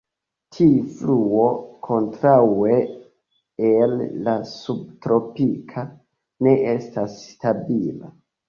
Tiu fluo, kontraŭe al la subtropika, ne estas stabila.